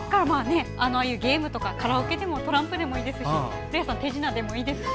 ゲームとかカラオケとかトランプでもいいですし古谷さん、手品でもいいですし。